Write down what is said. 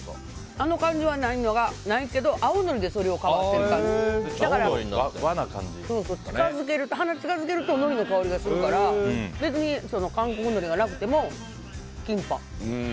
あの感じはないけど青のりがあるから鼻を近づけるとのりの香りがするから別に韓国のりがなくてもキンパ。